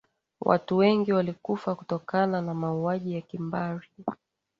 watu wengi walikufa kutokana na mauaji ya kimbari